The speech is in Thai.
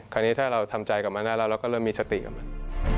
คราวนี้ถ้าเราทำใจกับมันได้แล้วเราก็เริ่มมีสติกับมัน